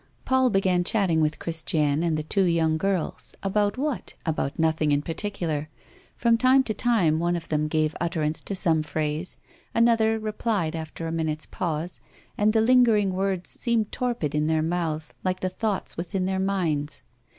Paul began chatting with Christiane and the two young girls. About what? About nothing in particular. From time to time, one of them gave utterance to some phrase; another replied after a minute's pause, and the lingering words seemed torpid in their mouths like the thoughts within their minds.